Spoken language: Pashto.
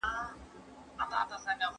آیا ته غواړې چې یو ښه ډاکټر سې؟